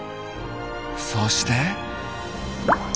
そして。